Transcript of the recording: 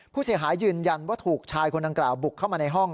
ผู้เสียหายยืนยันว่าถูกชายคนดังกล่าวบุกเข้ามาในห้อง